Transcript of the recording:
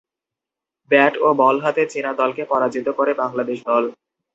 Bat ও ball হাতে চীনা দলকে পরাজিত করে বাংলাদেশ দল।